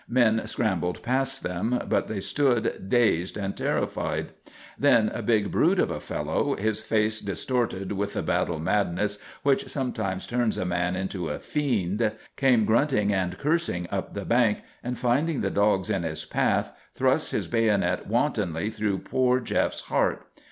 Men scrambled past them, but they stood dazed and terrified. Then a big brute of a fellow, his face distorted with the battle madness which sometimes turns a man into a fiend, came grunting and cursing up the bank, and finding the dogs in his path, thrust his bayonet wantonly through poor Jef's heart.